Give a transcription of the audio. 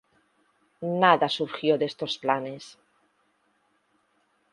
Nada surgió de estos planes.